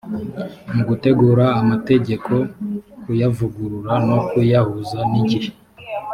mu gutegura amategeko kuyavugurura no kuyahuza n’igihe